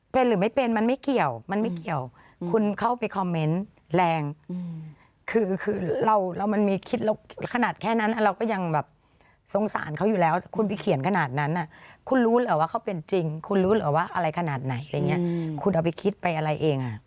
เป็นหรือไม่เป็นมันไม่เกี่ยวมันไม่เกี่ยวคุณเข้าไปคอมเมนต์แรงคือคือเรามันมีคิดแล้วขนาดแค่นั้นเราก็ยังแบบสงสารเขาอยู่แล้วคุณไปเขียนขนาดนั้นคุณรู้เหรอว่าเขาเป็นจริงคุณรู้เหรอว่าอะไรขนาดไหนอะไรอย่างเงี้ยคุณเอาไปคิดไปอะไรเองอ่ะ